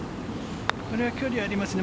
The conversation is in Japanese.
これは距離がありますね。